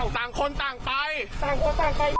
ต้องระวัง